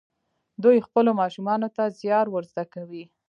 دوی خپلو ماشومانو ته زیار ور زده کوي.